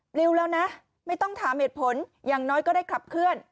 ปลิวแล้วนะไม่ต้องถามเหตุผลอย่างน้อยก็ได้ขับเคลื่อน